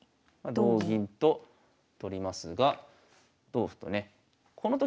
同銀と取りますが同歩とね。